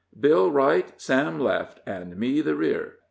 Bill right, Sam left, and me the rear?